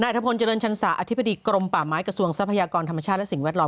ธพลเจริญชันศาอธิบดีกรมป่าไม้กระทรวงทรัพยากรธรรมชาติและสิ่งแวดล้อม